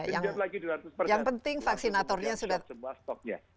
yang penting vaksinatornya sudah